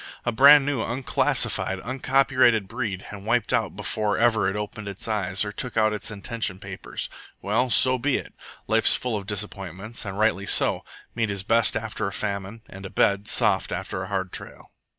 A brand new, unclassified, uncopyrighted breed, and wiped out before ever it opened its eyes or took out its intention papers! Well, so be it. Life's full of disappointments, and rightly so. Meat is best after a famine, and a bed soft after a hard trail.